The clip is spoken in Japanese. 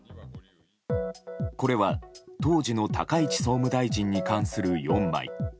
これは、当時の高市総務大臣に関する４枚。